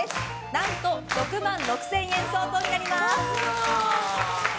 何と６万６０００円相当になります。